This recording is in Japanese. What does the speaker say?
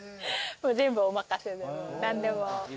全部お任せで何でも。